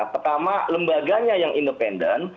pertama lembaganya yang independen